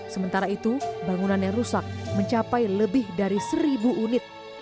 sementara itu bangunan yang rusak mencapai lebih dari seribu unit